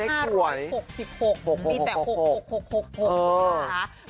มีแต่๖๖๖๖ค่ะ